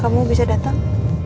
kamu bisa datang